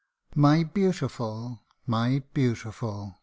MY beautiful ! my Beautiful